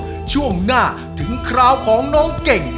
ช่วงหน้าถึงคราวของน้องเก่ง